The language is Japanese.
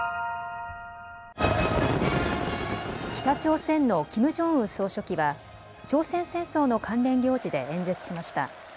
北朝鮮のキム・ジョンウン総書記は、朝鮮戦争の関連行事で演説しました。